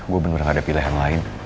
gue bener bener gak ada pilihan lain